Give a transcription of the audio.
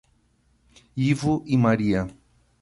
Ivo e Maria